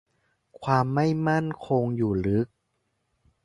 ความไม่มั่นคงอยู่ลึก